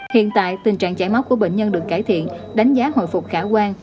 hiện tại tình trạng chảy máu của bệnh nhân được cải thiện đánh giá hồi phục khả quan